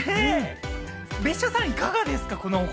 別所さん、いかがですか？